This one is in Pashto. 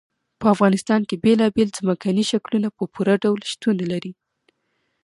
په افغانستان کې بېلابېل ځمکني شکلونه په پوره ډول شتون لري.